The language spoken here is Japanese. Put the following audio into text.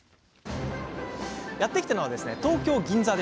やって来たのは東京・銀座。